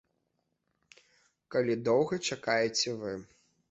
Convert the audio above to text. Калі доўга чакаеце вы.